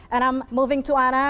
dan saya akan bergerak ke ana